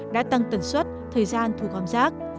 đã tăng tần suất thời gian thu gom rác